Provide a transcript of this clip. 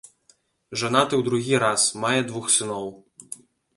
Жанаты ў другі раз, мае двух сыноў.